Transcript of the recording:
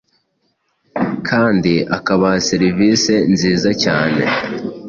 kandi akabaha serivisi nziza cyane